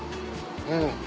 うん。